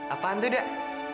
apaan tuh dak